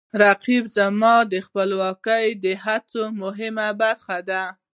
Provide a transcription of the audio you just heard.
رقیب زما د خپلواکۍ د هڅو مهمه برخه ده